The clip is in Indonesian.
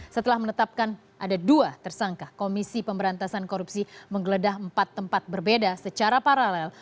setelah menetapkan ada dua tersangka komisi pemberantasan korupsi menggeledah empat tempat berbeda secara paralel